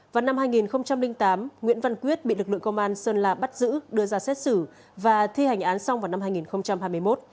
vào năm hai nghìn tám nguyễn văn quyết bị lực lượng công an sơn la bắt giữ đưa ra xét xử và thi hành án xong vào năm hai nghìn hai mươi một